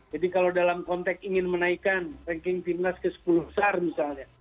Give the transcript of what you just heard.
jadi kalau dalam konteks ingin menaikan ranking timnas ke sepuluh besar misalnya